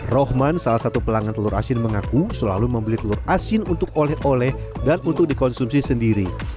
rohman salah satu pelanggan telur asin mengaku selalu membeli telur asin untuk oleh oleh dan untuk dikonsumsi sendiri